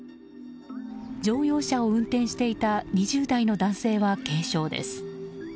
乗用車を運転していた２０代の男性は軽傷です。